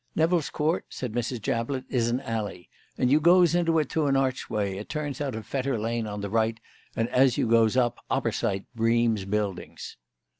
"Nevill's Court," said Mrs. Jablett, "is a alley, and you goes into it through a archway. It turns out of Fetter Lane on the right 'and as you goes up, oppersight Bream's Buildings."